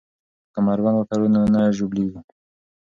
که کمربند وتړو نو نه ژوبلیږو.